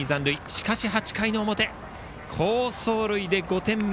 しかし８回の表好走塁で５点目。